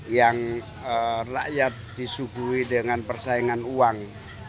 yang rakyat disuguhi dengan persaingan uang